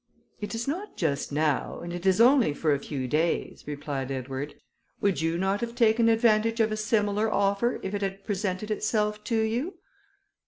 "It is not just now, and it is only for a few days," replied Edward. "Would you not have taken advantage of a similar offer if it had presented itself to you?"